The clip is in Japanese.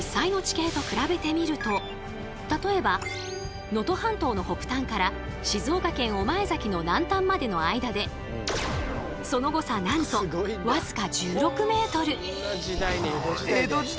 例えば能登半島の北端から静岡県御前崎の南端までの間でその後も地図はどんどんと進化。